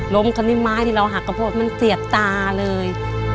ล้มขนิ้มไม้ที่เราหักกะโพดมันเสียตาเลย